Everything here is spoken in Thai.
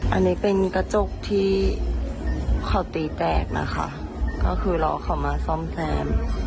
อันนี้เป็นกระจกที่เขาตีแตกนะคะก็คือรอเขามาซ่อมแซม